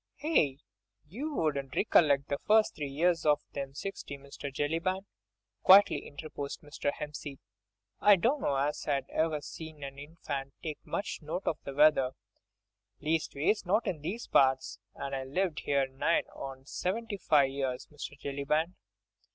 "Aye! you wouldn't rec'llect the first three years of them sixty, Mr. Jellyband," quietly interposed Mr. Hempseed. "I dunno as I ever see'd an infant take much note of the weather, leastways not in these parts, an' I've lived 'ere nigh on seventy five years, Mr. Jellyband."